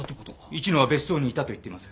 市野は別荘にいたと言っています。